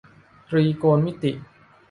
ตรีโกณมิติ